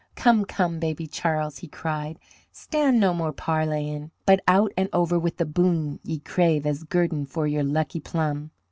"Come, come, Baby Charles," he cried, "stand no more parleying, but out and over with the boon ye crave as guerdon for your lucky plum.